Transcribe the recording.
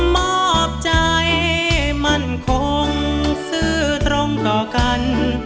มอบใจมั่นคงซื้อตรงต่อกัน